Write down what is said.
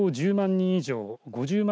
人以上５０万